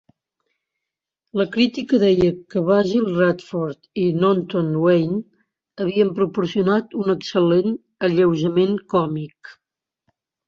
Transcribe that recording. La crítica deia que Basil Radford i Naunton Wayne havien "proporcionat un excel·lent alleujament còmic".